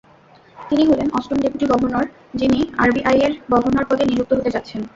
তিনি হলেন অষ্টম ডেপুটি গভর্নর, যিনি আরবিআইয়ের গভর্নর পদে নিযুক্ত হতে যাচ্ছেন।